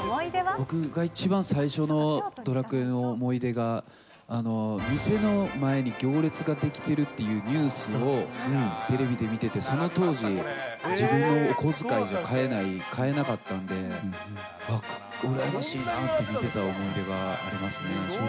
僕が一番最初のドラクエの思い出が、店の前に行列が出来てるっていうニュースをテレビで見てて、その当時、自分のお小遣いじゃ買えない、買えなかったんで、羨ましいなと見てた思い出がありますね。